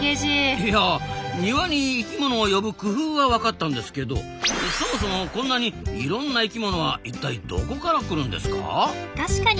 いや庭に生きものを呼ぶ工夫はわかったんですけどそもそもこんなにいろんな生きものは一体どこから来るんですか？